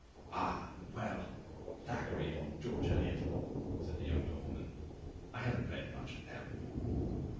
"Ah well, Thackeray, and George Eliot," said the young nobleman; "I haven't read much of them."